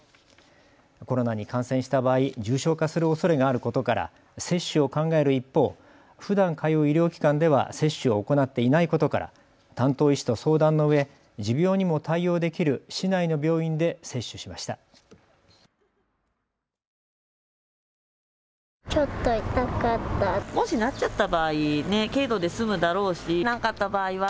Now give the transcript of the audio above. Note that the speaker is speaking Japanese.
コロナに感染した場合、重症化するおそれがあることから接種を考える一方、ふだん通う医療機関では接種を行っていないことから担当医師と相談のうえ持病にも対応できる市内の病院で接種しました。